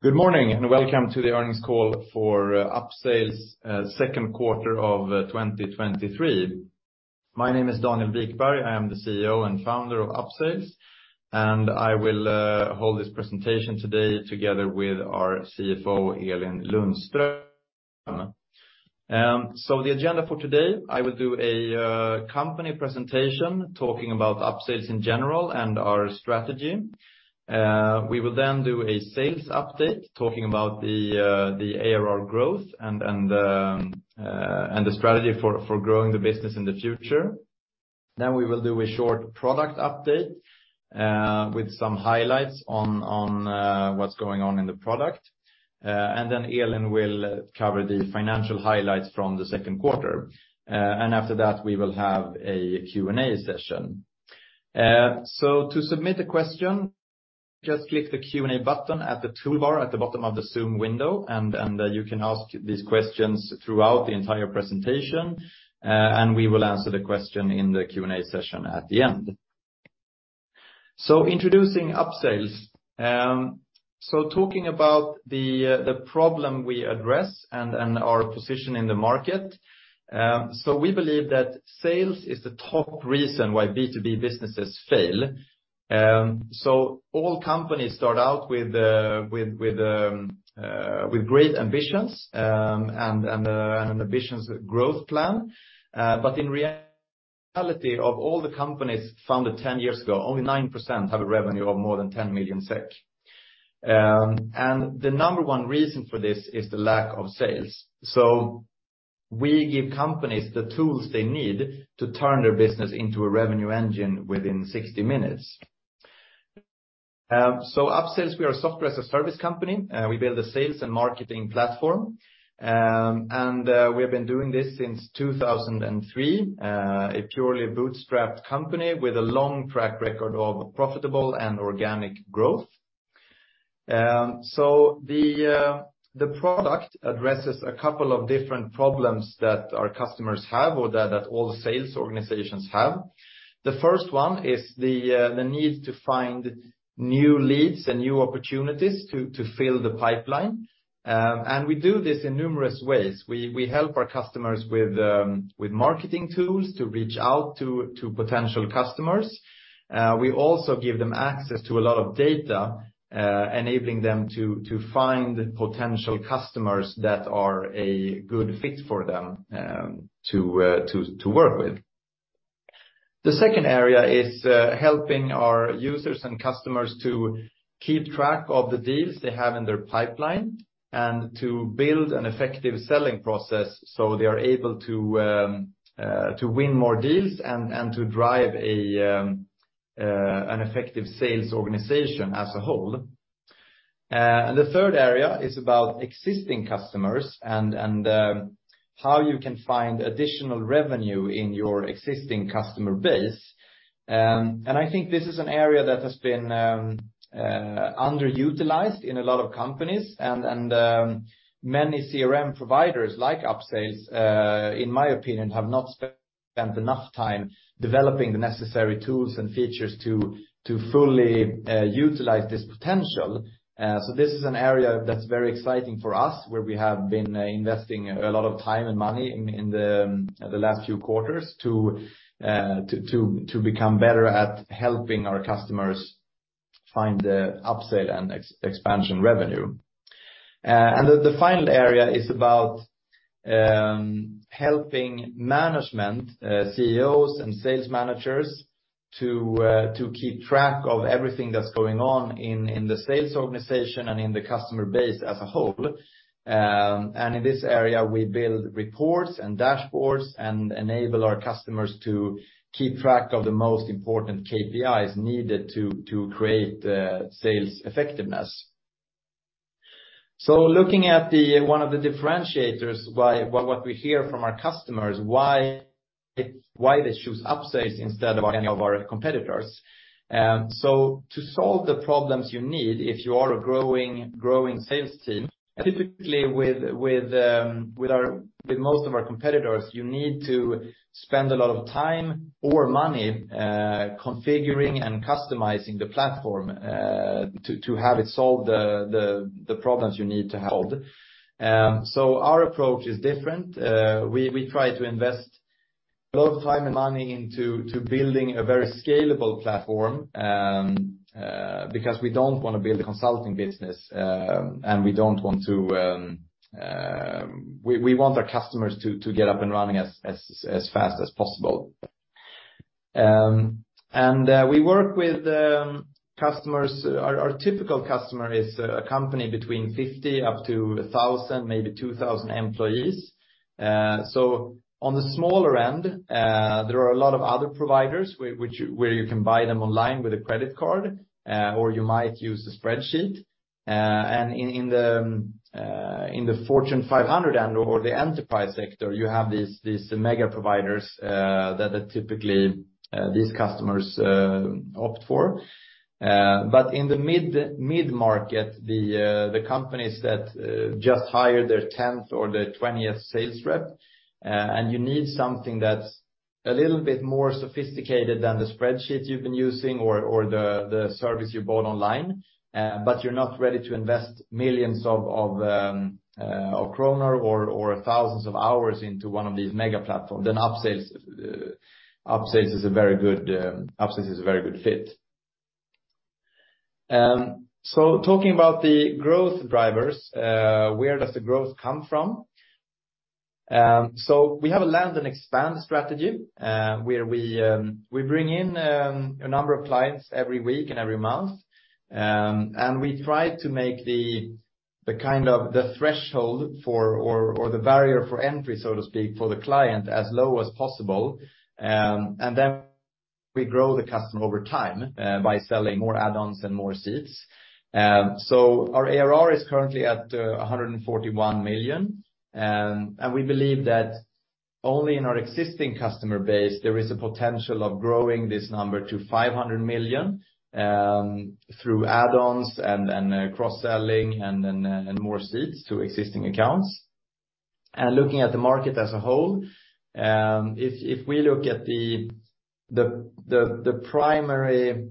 Good morning, welcome to the earnings call for Upsales, second quarter of 2023. My name is Daniel Wikberg. I am the CEO and founder of Upsales, and I will hold this presentation today together with our CFO, Elin Lundström. The agenda for today, I will do a company presentation talking about Upsales in general and our strategy. We will do a sales update, talking about the ARR growth and the strategy for growing the business in the future. We will do a short product update with some highlights on what's going on in the product. Elin will cover the financial highlights from the second quarter. After that, we will have a Q&A session. To submit a question, just click the Q&A button at the toolbar at the bottom of the Zoom window, and you can ask these questions throughout the entire presentation, and we will answer the question in the Q&A session at the end. Introducing Upsales. Talking about the problem we address and our position in the market. We believe that sales is the top reason why B2B businesses fail. All companies start out with great ambitions and ambitions growth plan. In reality, of all the companies founded 10 years ago, only 9% have a revenue of more than 10 million SEK. The number 1 reason for this is the lack of sales. We give companies the tools they need to turn their business into a revenue engine within 60 minutes. Upsales, we are a software as a service company, and we build a sales and marketing platform. We have been doing this since 2003, a purely bootstrapped company with a long track record of profitable and organic growth. The product addresses a couple of different problems that our customers have or that all sales organizations have. The first one is the need to find new leads and new opportunities to fill the pipeline. We do this in numerous ways. We help our customers with marketing tools to reach out to potential customers. We also give them access to a lot of data, enabling them to find potential customers that are a good fit for them, to work with. The second area is helping our users and customers to keep track of the deals they have in their pipeline and to build an effective selling process so they are able to win more deals and to drive a an effective sales organization as a whole. The third area is about existing customers and how you can find additional revenue in your existing customer base. I think this is an area that has been underutilized in a lot of companies, and many CRM providers, like Upsales, in my opinion, have not spent enough time developing the necessary tools and features to fully utilize this potential. This is an area that's very exciting for us, where we have been investing a lot of time and money in the last few quarters to become better at helping our customers find the Upsales and expansion revenue. The final area is about helping management, CEOs and sales managers to keep track of everything that's going on in the sales organization and in the customer base as a whole. In this area, we build reports and dashboards and enable our customers to keep track of the most important KPIs needed to create sales effectiveness. Looking at one of the differentiators, what we hear from our customers, why they choose Upsales instead of any of our competitors. To solve the problems you need, if you are a growing sales team, typically with most of our competitors, you need to spend a lot of time or money configuring and customizing the platform to have it solve the problems you need to hold. Our approach is different. We try to invest a lot of time and money into building a very scalable platform, because we don't want to build a consulting business. We want our customers to get up and running as fast as possible. We work with customers. Our typical customer is a company between 50 up to 1,000, maybe 2,000 employees. On the smaller end, there are a lot of other providers where you can buy them online with a credit card, or you might use a spreadsheet. In the Fortune 500 end or the enterprise sector, you have these mega providers that typically these customers opt for. In the mid-market, the companies that just hired their 10th or their 20th sales rep. You need something that's a little bit more sophisticated than the spreadsheet you've been using or the service you bought online. You're not ready to invest millions of kronor or thousands of hours into one of these mega platforms. Upsales is a very good fit. Talking about the growth drivers, where does the growth come from? We have a land and expand strategy, where we bring in a number of clients every week and every month. We try to make the kind of the threshold for, or the barrier for entry, so to speak, for the client, as low as possible. We grow the customer over time, by selling more add-ons and more seats. Our ARR is currently at 141 million. We believe that only in our existing customer base, there is a potential of growing this number to 500 million, through add-ons and, cross-selling, and then, and more seats to existing accounts. Looking at the market as a whole, if we look at the primary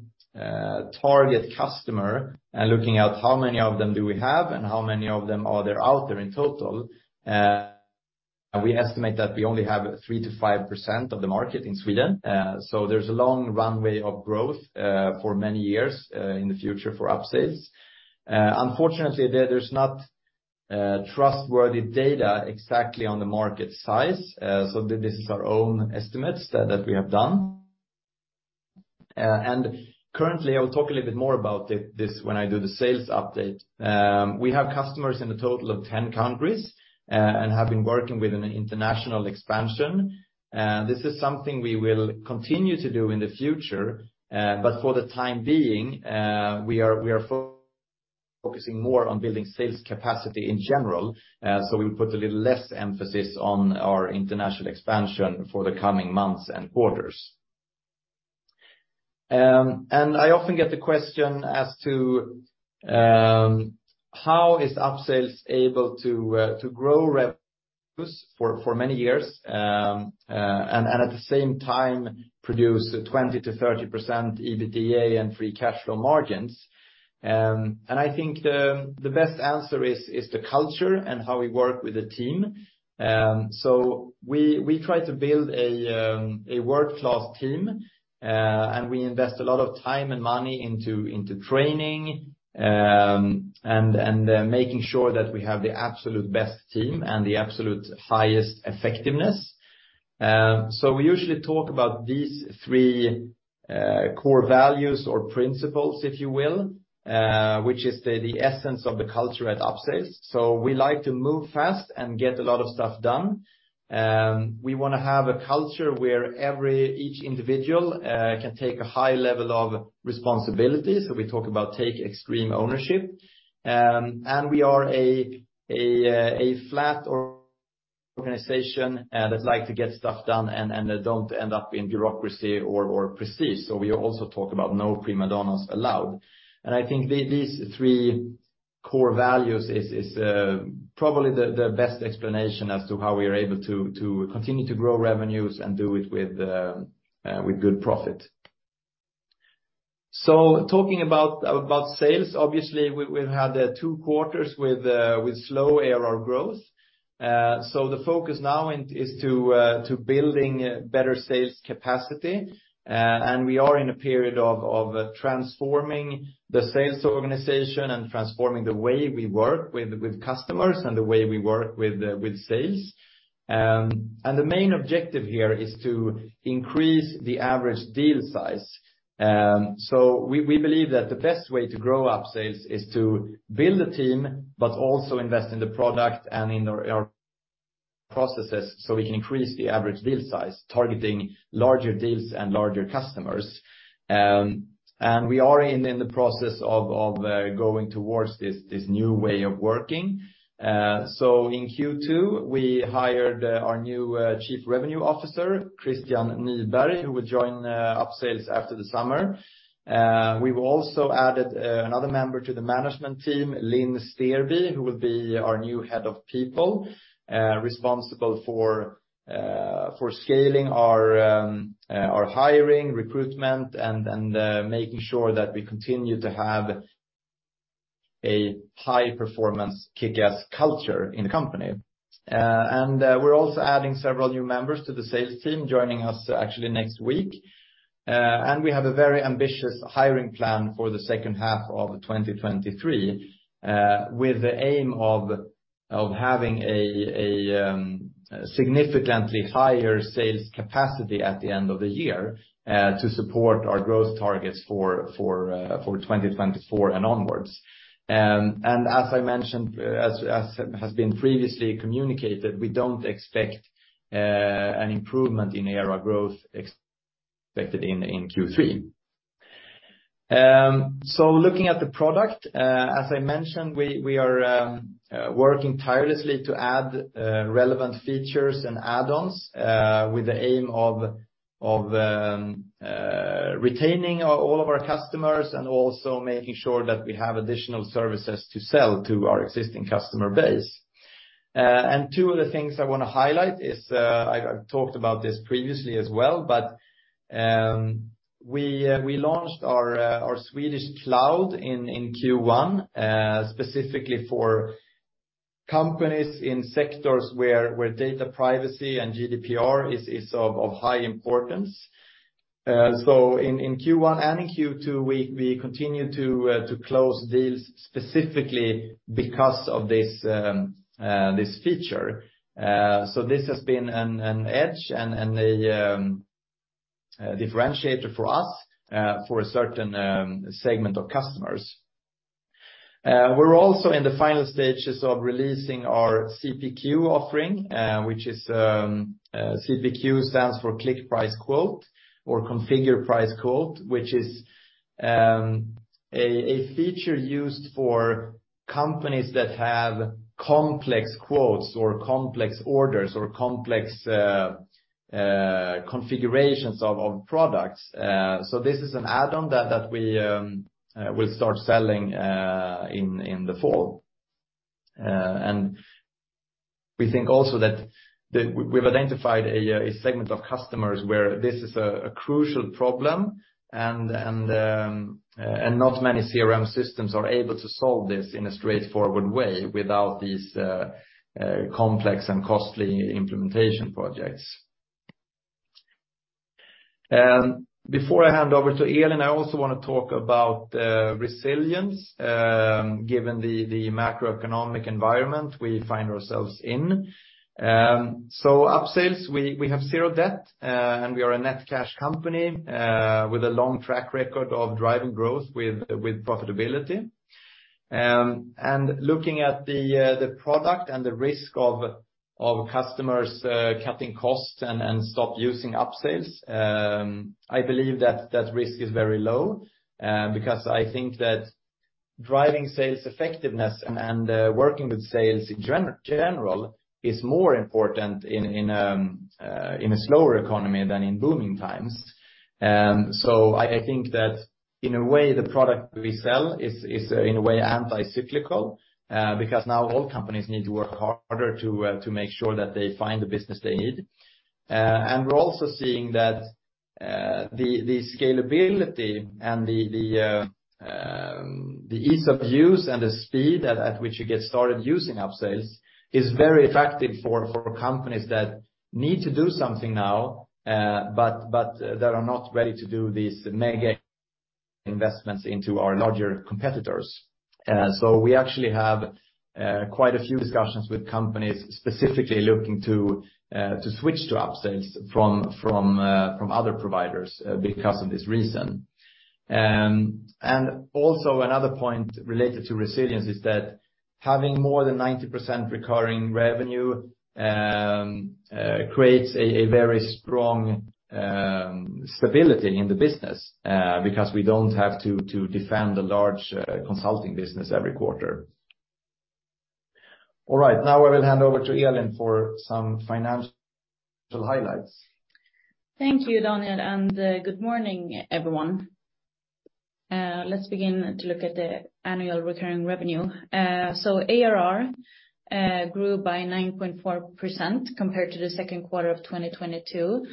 target customer, and looking at how many of them do we have and how many of them are there out there in total, we estimate that we only have 3%-5% of the market in Sweden. There's a long runway of growth for many years in the future for Upsales. Unfortunately, there's not trustworthy data exactly on the market size, this is our own estimates that we have done. Currently, I will talk a little bit more about this when I do the sales update. We have customers in a total of 10 countries and have been working with an international expansion. This is something we will continue to do in the future, for the time being, we are focusing more on building sales capacity in general. We put a little less emphasis on our international expansion for the coming months and quarters. I often get the question as to how is Upsales able to grow revenues for many years, and at the same time produce a 20%-30% EBITDA and free cash flow margins? I think the best answer is the culture and how we work with the team. We try to build a world-class team, and we invest a lot of time and money into training, and making sure that we have the absolute best team and the absolute highest effectiveness. We usually talk about these three core values or principles, if you will, which is the essence of the culture at Upsales. We like to move fast and get a lot of stuff done. We wanna have a culture where each individual can take a high level of responsibility. We talk about take extreme ownership. We are a flat organization that like to get stuff done and that don't end up in bureaucracy or prestige. We also talk about no prima donnas allowed. I think these three core values is probably the best explanation as to how we are able to continue to grow revenues and do it with good profit. Talking about sales, obviously, we've had two quarters with slow ARR growth. The focus now is to building better sales capacity. We are in a period of transforming the sales organization and transforming the way we work with customers and the way we work with sales. The main objective here is to increase the average deal size. We believe that the best way to grow Upsales is to build a team, but also invest in the product and in our processes, so we can increase the average deal size, targeting larger deals and larger customers. We are in the process of going towards this new way of working. In Q2, we hired our new Chief Revenue Officer, Christian Nyberg, who will join Upsales after the summer. We've also added another member to the management team, Linn Sterby, who will be our new Head of People, responsible for scaling our hiring, recruitment, and making sure that we continue to have a high-performance kickass culture in the company. We're also adding several new members to the sales team, joining us actually next week. We have a very ambitious hiring plan for the second half of 2023, with the aim of having a significantly higher sales capacity at the end of the year, to support our growth targets for 2024 and onwards. As I mentioned, as has been previously communicated, we don't expect an improvement in ARR growth expected in Q3. Looking at the product, as I mentioned, we are working tirelessly to add relevant features and add-ons, with the aim of retaining all of our customers and also making sure that we have additional services to sell to our existing customer base. Two of the things I want to highlight is I've talked about this previously as well, we launched our Swedish cloud in Q1 specifically for companies in sectors where data privacy and GDPR is of high importance. In Q1 and in Q2, we continue to close deals specifically because of this feature. This has been an edge and a differentiator for us for a certain segment of customers. We're also in the final stages of releasing our CPQ offering, which is. CPQ stands for Configure, Price, Quote, which is a feature used for companies that have complex quotes or complex orders or complex configurations of products. This is an add-on that we will start selling in the fall. We think also that we've identified a segment of customers where this is a crucial problem, and not many CRM systems are able to solve this in a straightforward way without these complex and costly implementation projects. Before I hand over to Elin, I also want to talk about resilience, given the macroeconomic environment we find ourselves in. Upsales we have zero debt, and we are a net cash company with a long track record of driving growth with profitability. Looking at the product and the risk of customers cutting costs and stop using Upsales, I believe that risk is very low because I think that driving sales effectiveness and working with sales in general is more important in a slower economy than in booming times. I think that in a way, the product we sell is in a way, anti-cyclical because now all companies need to work harder to make sure that they find the business they need. We're also seeing that the scalability and the ease of use and the speed at which you get started using Upsales is very effective for companies that need to do something now, but that are not ready to do these mega investments into our larger competitors. We actually have quite a few discussions with companies specifically looking to switch to Upsales from other providers because of this reason. Also another point related to resilience is that having more than 90% recurring revenue creates a very strong stability in the business because we don't have to defend a large consulting business every quarter. All right, now I will hand over to Elin for some financial highlights. Thank you, Daniel, good morning, everyone. Let's begin to look at the annual recurring revenue. ARR grew by 9.4% compared to Q2 2022.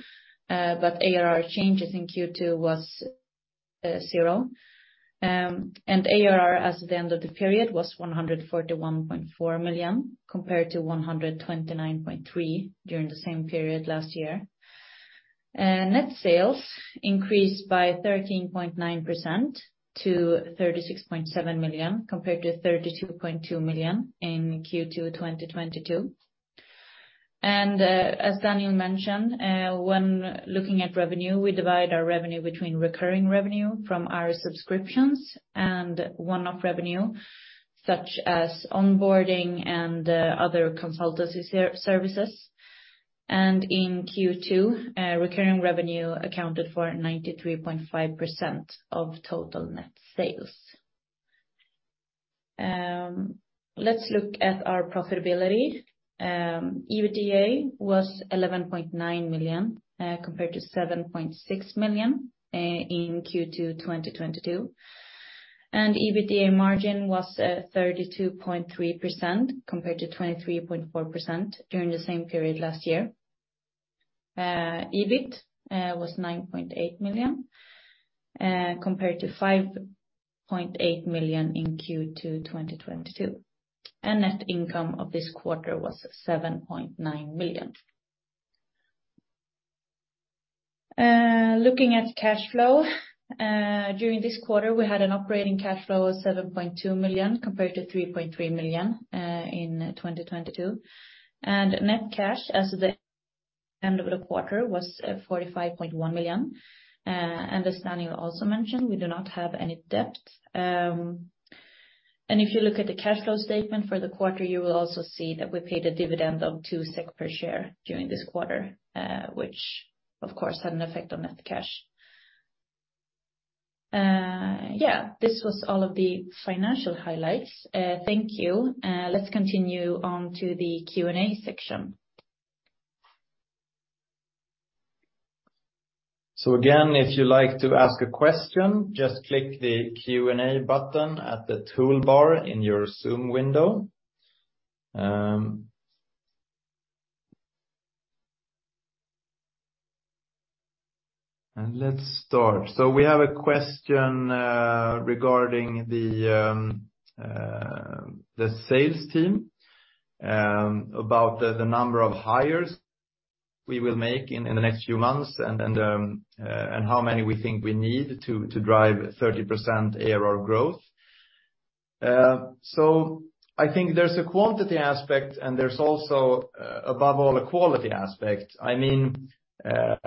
ARR changes in Q2 was 0. ARR, as at the end of the period, was 141.4 million, compared to 129.3 during the same period last year. Net sales increased by 13.9% to 36.7 million, compared to 32.2 million in Q2 2022. As Daniel mentioned, when looking at revenue, we divide our revenue between recurring revenue from our subscriptions and one-off revenue, such as onboarding and other consultancy services. In Q2, recurring revenue accounted for 93.5% of total net sales. Let's look at our profitability. EBITDA was 11.9 million compared to 7.6 million in Q2 2022. EBITDA margin was 32.3% compared to 23.4% during the same period last year. EBIT was 9.8 million compared to 5.8 million in Q2 2022. Net income of this quarter was 7.9 million. Looking at cash flow, during this quarter, we had an operating cash flow of 7.2 million compared to 3.3 million in 2022. Net cash as the end of the quarter was 45.1 million. As Daniel also mentioned, we do not have any debt. If you look at the cash flow statement for the quarter, you will also see that we paid a dividend of 2 SEK per share during this quarter, which of course, had an effect on net cash. Yeah, this was all of the financial highlights. Thank you. Let's continue on to the Q&A section. Again, if you'd like to ask a question, just click the Q&A button at the toolbar in your Zoom window. Let's start. We have a question regarding the sales team about the number of hires we will make in the next few months, and how many we think we need to drive 30% ARR growth. I think there's a quantity aspect, and there's also, above all, a quality aspect. I mean, a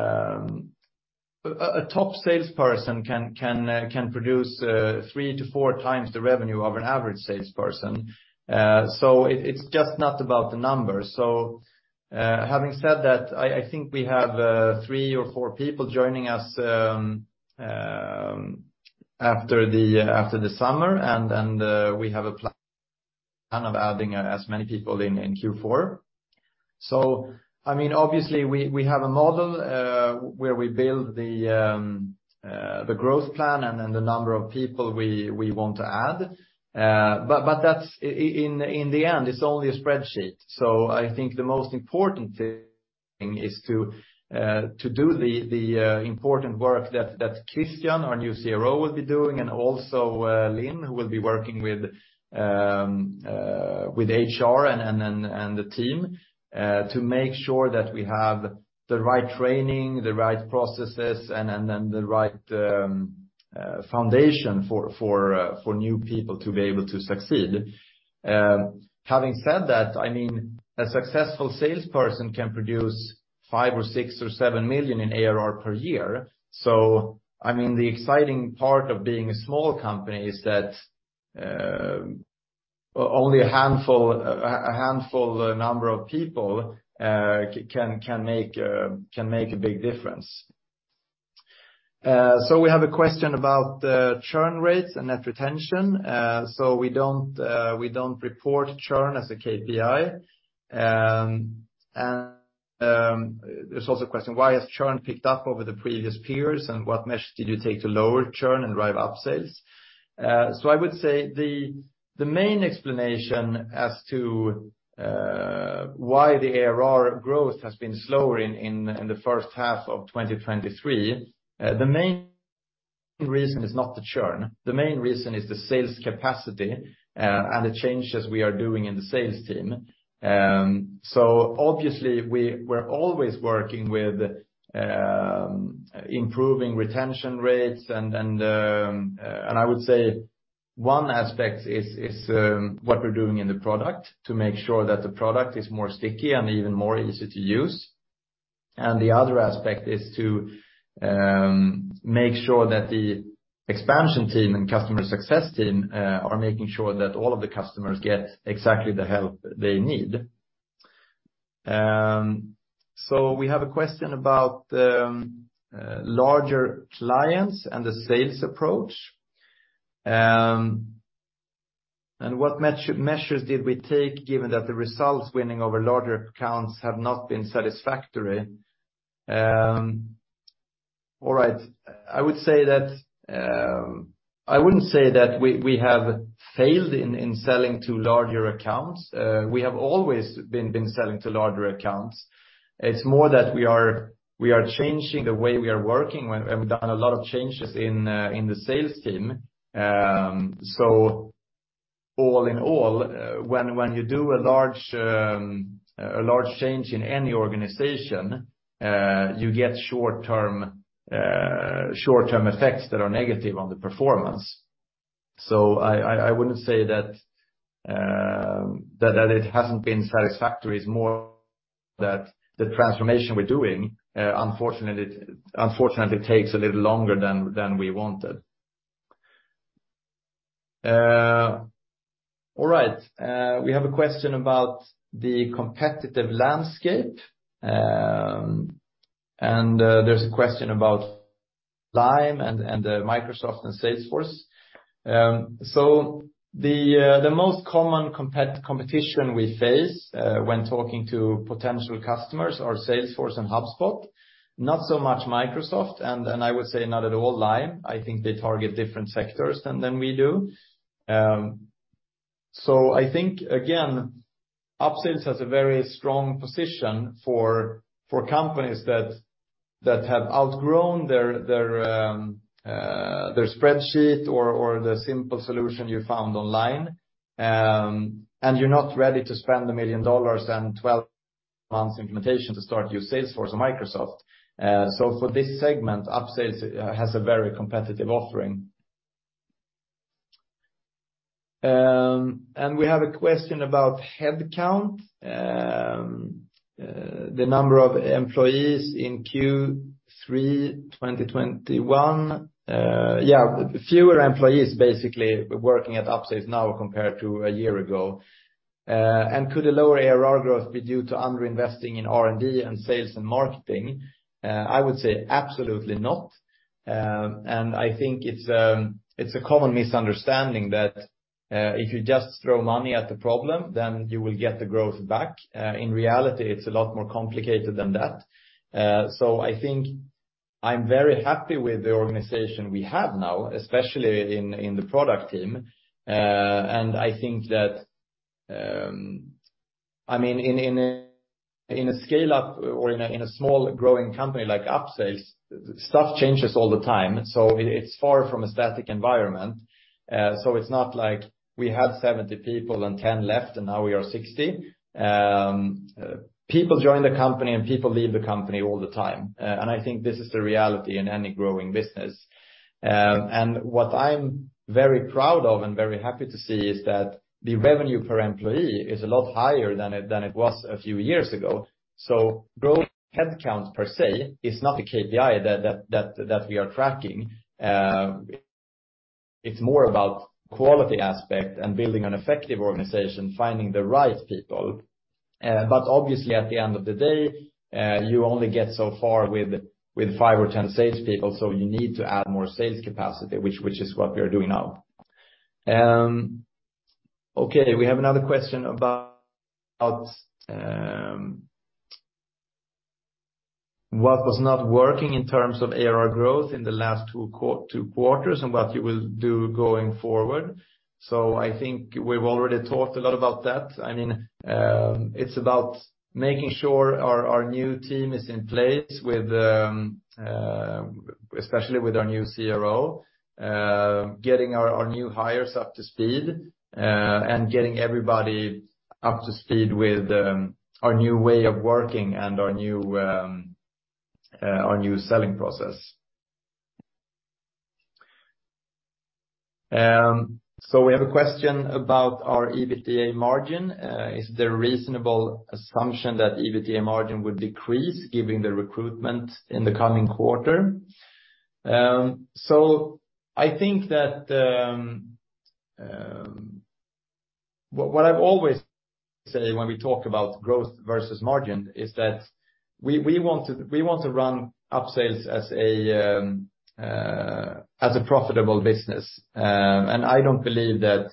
top salesperson can produce 3 to 4 times the revenue of an average salesperson. It's just not about the numbers. Having said that, I think we have three or four people joining us after the summer, and we have a plan of adding as many people in Q4. I mean, obviously, we have a model where we build the growth plan and then the number of people we want to add. In the end, it's only a spreadsheet. I think the most important thing is to do the important work that Christian, our new CRO, will be doing, and also Linn, who will be working with HR and the team, to make sure that we have the right training, the right processes, and then the right foundation for new people to be able to succeed. Having said that, I mean, a successful salesperson can produce 5 million or 6 million or 7 million in ARR per year. I mean, the exciting part of being a small company is that only a handful number of people can make a big difference. We have a question about the churn rates and net retention. We don't report churn as a KPI. There's also a question, why has churn picked up over the previous periods, and what measures did you take to lower churn and drive up sales? I would say the main explanation as to why the ARR growth has been slower in the first half of 2023, the main reason is not the churn. The main reason is the sales capacity, and the changes we are doing in the sales team. Obviously, we're always working with improving retention rates. I would say one aspect is what we're doing in the product to make sure that the product is more sticky and even more easy to use. The other aspect is to make sure that the expansion team and customer success team are making sure that all of the customers get exactly the help they need. We have a question about larger clients and the sales approach, and what measures did we take, given that the results winning over larger accounts have not been satisfactory? All right. I would say that I wouldn't say that we have failed in selling to larger accounts. We have always been selling to larger accounts. It's more that we are changing the way we are working, and we've done a lot of changes in the sales team. All in all, when you do a large change in any organization, you get short-term effects that are negative on the performance. I wouldn't say that it hasn't been satisfactory. It's more that the transformation we're doing, unfortunately, takes a little longer than we wanted. All right. We have a question about the competitive landscape, and there's a question about Lime and Microsoft and Salesforce. The most common competition we face when talking to potential customers are Salesforce and HubSpot, not so much Microsoft, and I would say not at all Lime. I think they target different sectors than we do. I think, again, Upsales has a very strong position for companies that have outgrown their spreadsheet or the simple solution you found online. You're not ready to spend $1 million and 12 months implementation to start use Salesforce or Microsoft. For this segment, Upsales has a very competitive offering. We have a question about headcount, the number of employees in Q3 2021. Fewer employees basically working at Upsales now compared to a year ago. Could a lower ARR growth be due to underinvesting in R&D and sales and marketing? I would say absolutely not. I think it's a common misunderstanding that if you just throw money at the problem, then you will get the growth back. In reality, it's a lot more complicated than that. I think I'm very happy with the organization we have now, especially in the product team. I think that, I mean, in a scale-up or in a small growing company like Upsales, stuff changes all the time, so it's far from a static environment. It's not like we had 70 people and 10 left, and now we are 60. People join the company, and people leave the company all the time, I think this is the reality in any growing business. What I'm very proud of and very happy to see is that the revenue per employee is a lot higher than it was a few years ago. Growing headcount per se, is not a KPI that we are tracking. It's more about quality aspect and building an effective organization, finding the right people. Obviously at the end of the day, you only get so far with 5 or 10 sales people, so you need to add more sales capacity, which is what we are doing now. Okay, we have another question about what was not working in terms of ARR growth in the last 2 quarters and what you will do going forward. I think we've already talked a lot about that. I mean, it's about making sure our new team is in place with, especially with our new CRO, getting our new hires up to speed, and getting everybody up to speed with our new way of working and our new selling process. We have a question about our EBITDA margin. Is there a reasonable assumption that EBITDA margin would decrease given the recruitment in the coming quarter? I think that what I've always say when we talk about growth versus margin is that we want to run Upsales as a profitable business. I don't believe that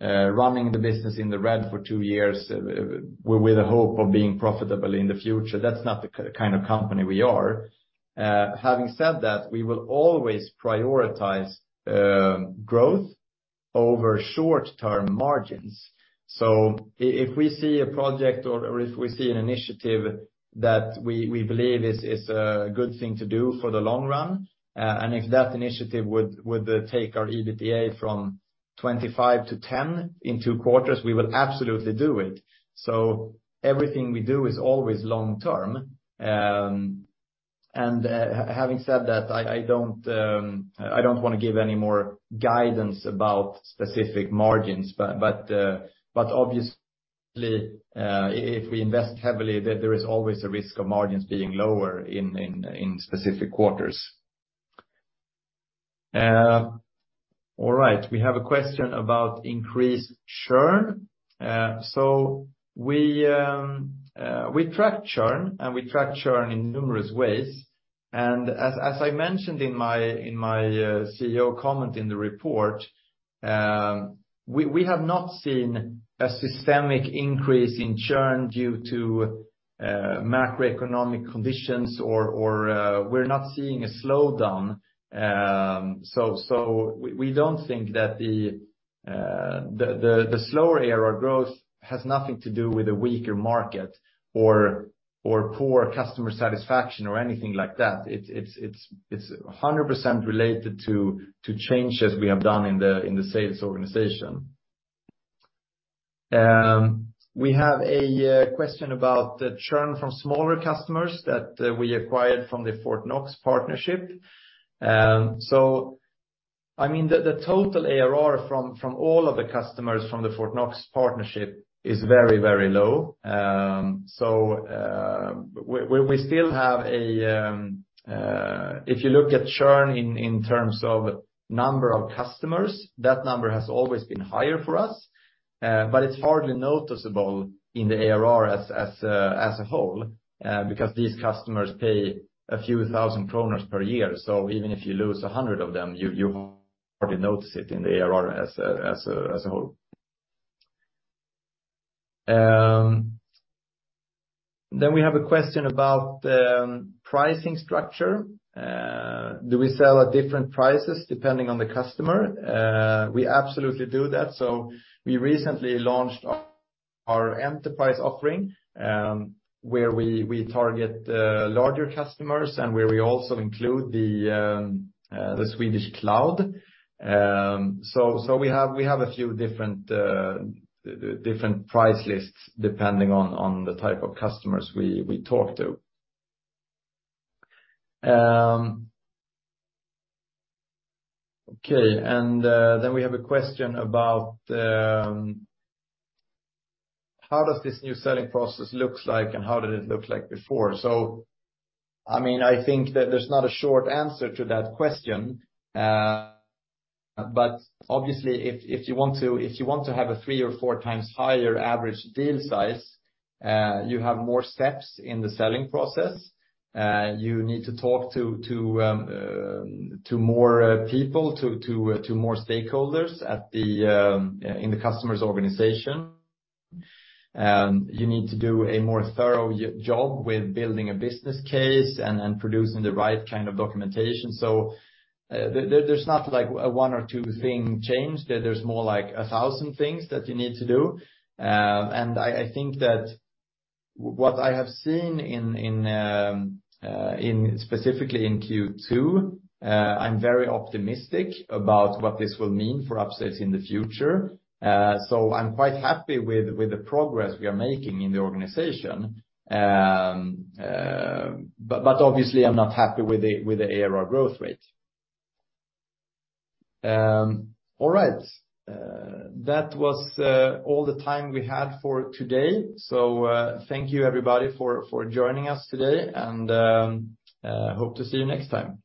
running the business in the red for two years with a hope of being profitable in the future, that's not the kind of company we are. Having said that, we will always prioritize growth over short-term margins. If we see a project or if we see an initiative that we believe is a good thing to do for the long run, and if that initiative would take our EBITDA from 25 to 10 in two quarters, we will absolutely do it. Everything we do is always long term. Having said that, I don't wanna give any more guidance about specific margins. Obviously, if we invest heavily, there is always a risk of margins being lower in specific quarters. All right, we have a question about increased churn. We track churn, and we track churn in numerous ways. As I mentioned in my CEO comment in the report, we have not seen a systemic increase in churn due to macroeconomic conditions or we're not seeing a slowdown. We don't think that the slower ARR growth has nothing to do with a weaker market or poor customer satisfaction or anything like that. It's 100% related to changes we have done in the sales organization. We have a question about the churn from smaller customers that we acquired from the Fortnox partnership. I mean, the total ARR from all of the customers from the Fortnox partnership is very, very low. We still have, if you look at churn in terms of number of customers, that number has always been higher for us. It's hardly noticeable in the ARR as a whole because these customers pay a few thousand kronors per year. Even if you lose 100 of them, you hardly notice it in the ARR as a whole. We have a question about pricing structure. Do we sell at different prices depending on the customer? We absolutely do that. We recently launched our enterprise offering, where we target larger customers and where we also include the Swedish cloud. We have a few different price lists, depending on the type of customers we talk to. We have a question about how does this new selling process looks like, and how did it look like before? I mean, I think that there's not a short answer to that question. Obviously, if you want to have a 3 or 4x higher average deal size, you have more steps in the selling process. You need to talk to more people, to more stakeholders in the customer's organization. You need to do a more thorough job with building a business case and producing the right kind of documentation. There's not like a 1 or 2 thing changed. There's more like a 1,000 things that you need to do. I think that what I have seen in specifically in Q2, I'm very optimistic about what this will mean for Upsales in the future. I'm quite happy with the progress we are making in the organization. But obviously, I'm not happy with the ARR growth rate. All right. That was all the time we had for today. Thank you, everybody, for joining us today, and hope to see you next time.